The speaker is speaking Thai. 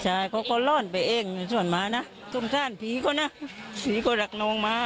ใช่เขาก็ล้อนไปเองช่วงมานะจนท่านพีศ์ก็นะพีศ์ก็รักน้องมา